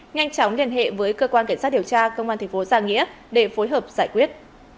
nhanh chóng liên hệ với cơ quan cảnh sát điều tra công an thành phố giang nghĩa để phối hợp giải quyết